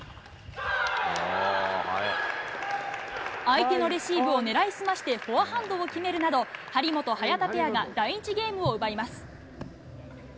相手のレシーブを狙い澄ましてフォアハンドを決めるなど、張本・早田ペアが第１ゲームを奪います。